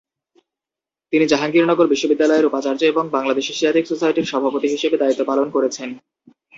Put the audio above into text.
তিনি জাহাঙ্গীরনগর বিশ্ববিদ্যালয়ের উপাচার্য এবং বাংলাদেশ এশিয়াটিক সোসাইটির সভাপতি হিসেবে দায়িত্ব পালন করেছেন।